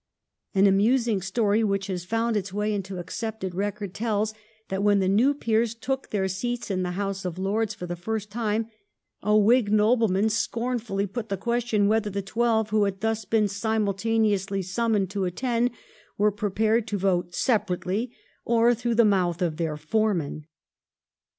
An amusing story which has found its way into accepted record tells that when the new peers took their seats in the House of Lords for the first time, a Whig nobleman scornfully put the question whether the twelve who had thus been simultaneously summoned to attend were prepared to vote separately or through the mouth of their foreman.